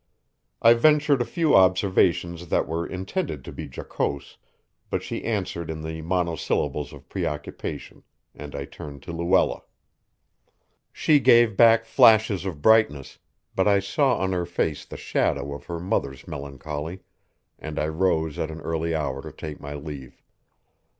I ventured a few observations that were intended to be jocose, but she answered in the monosyllables of preoccupation, and I turned to Luella. She gave back flashes of brightness, but I saw on her face the shadow of her mother's melancholy, and I rose at an early hour to take my leave.